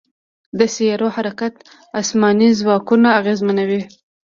د سیارو حرکت اسماني ځواکونه اغېزمنوي.